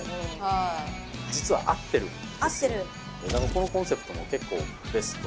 このコンセプトも結構ベスト。